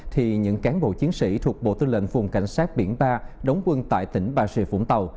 thì những cán bộ chiến sĩ thuộc bộ tư lệnh vùng cảnh sát biển ba đóng quân tại tỉnh bà rịa vũng tàu